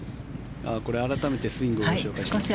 改めてスイングをご紹介します。